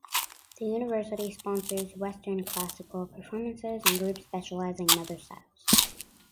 The University sponsors Western classical performances and groups specializing in other styles.